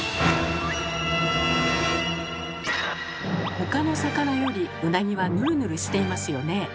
他の魚よりウナギはヌルヌルしていますよねえ。